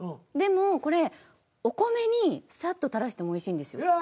でもこれお米にサッとたらしてもおいしいんですよ。